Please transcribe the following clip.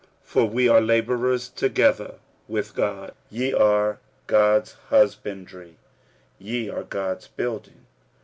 46:003:009 For we are labourers together with God: ye are God's husbandry, ye are God's building.